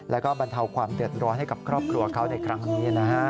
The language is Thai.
แล้วก็บรรเทาความเดือดร้อนให้กับครอบครัวเขาในครั้งนี้นะฮะ